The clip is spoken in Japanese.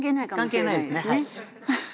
関係ないですねはい。